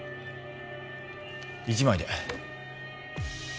１枚で。